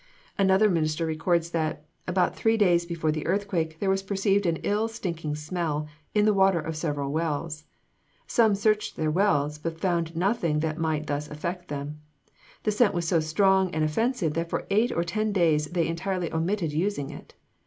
Another minister records that "about three days before the earthquake there was perceived an ill stinking smell, in the water of several wells. Some searched their wells, but found nothing that might thus affect them. The scent was so strong and offensive that for eight or ten days they entirely omitted using it.